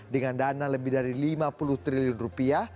dengan dana lebih dari lima puluh triliun rupiah